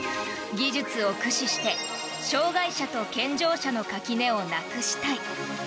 技術を駆使して障害者と健常者の垣根をなくしたい。